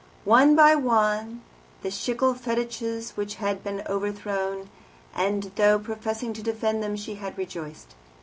One by one the Schlegel fetiches had been overthrown, and, though professing to defend them, she had rejoiced.